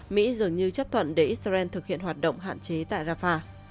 mỹ dường như chấp thuận để israel thực hiện hoạt động hạn chế tại rafah